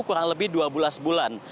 tapi dua belas bulan